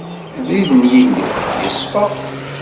Abrid n Yillu yeṣfa.